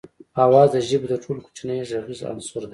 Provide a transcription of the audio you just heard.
آواز د ژبې تر ټولو کوچنی غږیز عنصر دی